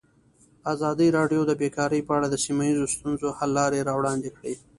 ازادي راډیو د بیکاري په اړه د سیمه ییزو ستونزو حل لارې راوړاندې کړې.